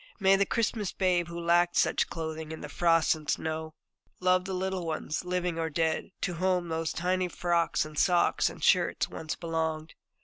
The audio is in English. May the Christmas Babe who lacked such clothing in the frost and snow, love the little ones, living or dead, to whom those tiny frocks and socks and shirts once belonged!